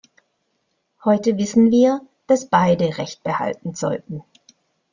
Heute wissen wir, dass beide recht behalten sollten.